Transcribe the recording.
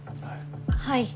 はい。